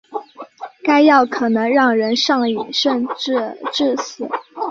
该药可能让人上瘾甚至致死。